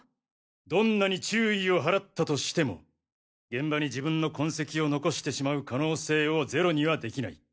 どんなに注意をはらったとしても現場に自分の痕跡を残してしまう可能性をゼロにはできない。